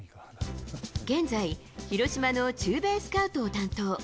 現在、広島の駐米スカウトを担当。